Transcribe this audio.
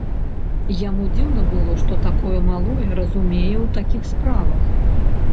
Яму дзіўна было, што такое малое разумее ў такіх справах.